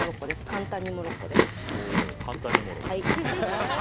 簡単にモロッコ。